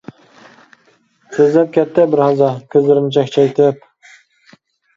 سۆزلەپ كەتتى بىر ھازا، كۆزلىرىنى چەكچەيتىپ.